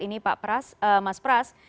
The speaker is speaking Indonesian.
ini pak pras mas pras